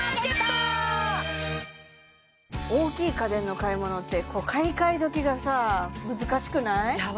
大きい家電の買い物って買い替え時がさあ難しくない？